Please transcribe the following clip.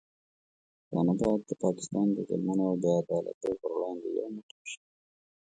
پښتانه باید د پاکستان د ظلمونو او بې عدالتیو پر وړاندې یو موټی شي.